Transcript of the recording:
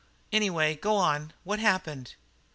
Anyway, go on. What happened?"